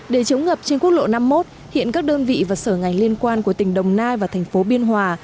để chống ngập trên quốc lộ năm mươi một hiện các đơn vị và sở ngành liên quan của tỉnh đồng nai và thành phố biên hòa